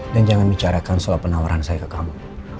dan jangan bicarakan soal penawaran saya ke kamu